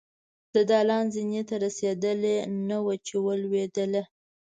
د دالان زينې ته رسېدلې نه وه چې ولوېدله.